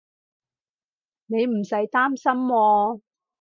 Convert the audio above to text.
你唔使擔心喎